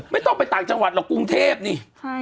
ไม่ต้องไปต่างจังหวัดหรอกกรุงเทพนี่